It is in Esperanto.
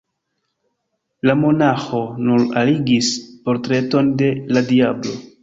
La monaĥo nur aligis portreton de la diablo.